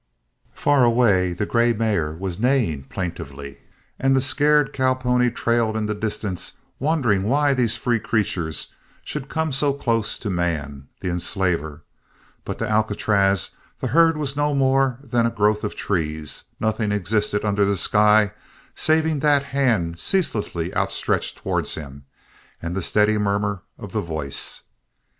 Far away the grey mare was neighing plaintively and the scared cowpony trailed in the distance wondering why these free creatures should come so close to man, the enslaver; but to Alcatraz the herd was no more than a growth of trees; nothing existed under the sky saving that hand ceaselessly outstretched towards him, and the steady murmur of the voice.